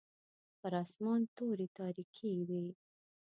پر اسمان توري تاریکې وې.